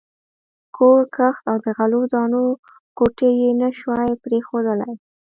کور، کښت او د غلو دانو کوټې یې نه شوای پرېښودلای.